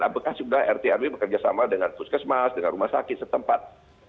apakah sudah rt rw bekerjasama dengan puskesmas dengan rumah sakit setempat